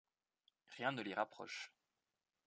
Rien ne les rapproche.